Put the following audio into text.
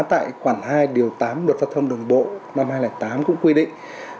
tại khoản hai điều tám luật giao thông đường bộ năm hai nghìn tám cũng quy định